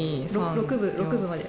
６部６部まで。